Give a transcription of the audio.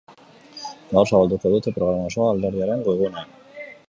Gaur zabalduko dute programa osoa alderdiaren webgunean.